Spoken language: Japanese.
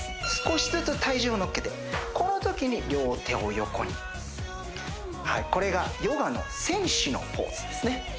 少しずつ体重をのっけてこの時に両手を横にこれがヨガの戦士のポーズですね